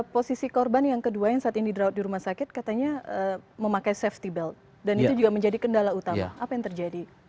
posisi korban yang kedua yang saat ini di drop di rumah sakit katanya memakai safety belt dan itu juga menjadi kendala utama apa yang terjadi